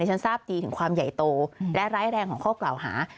ฉันทราบดีถึงความใหญ่โตและร้ายแรงของข้อกล่าวหา